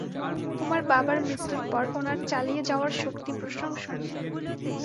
তোমার বাবার মৃত্যুর পর উনার চালিয়ে যাওয়ার শক্তি প্রশংসনীয়।